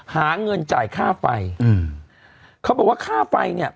หาเงินจ่ายค่าไฟอืมเขาบอกว่าค่าไฟเนี่ย